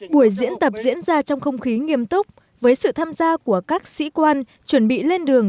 buổi diễn tập diễn ra trong không khí nghiêm túc với sự tham gia của các sĩ quan chuẩn bị lên đường